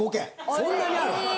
そんなにある？